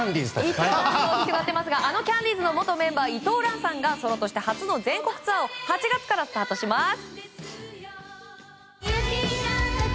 あのキャンディーズの元メンバー伊藤蘭さんがソロとして初の全国ツアーを８月からスタートします。